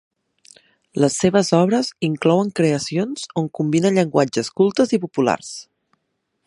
Les seves obres inclouen creacions on combina llenguatges cultes i populars.